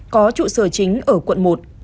có trụ sở chính ở quận một